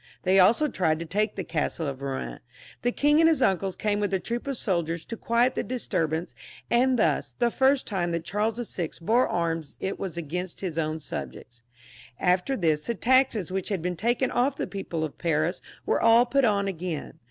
They also tried to take the castle of Eouen. The king and his uncles came with a troop of soldiers to quiet the disturbance, and thus the first XXVIII.] CHARLES VL 185 time that Charles VI. bore arms, it was against his own subjects. After this the taxes which had been taken off from the people of Paris were all put on again.